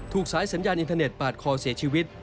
สายสัญญาณอินเทอร์เน็ตปาดคอเสียชีวิต